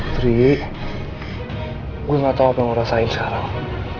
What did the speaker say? putri gue gak tau apa yang ngerasain sekarang